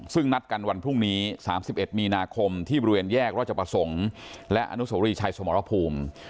ซึ่งนัดกันวันพรุ่งนี้๓๑มีนาคมที่บริเวณแยกราชประสงค์และอนุโสรีชัยสมรภูมิ